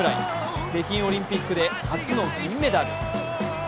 北京オリンピックで初の銀メダル。